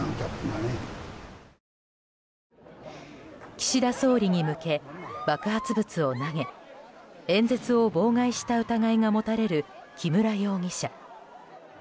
岸田総理に向け、爆発物を投げ演説を妨害した疑いが持たれる木村容疑者。